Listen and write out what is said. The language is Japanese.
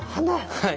はい。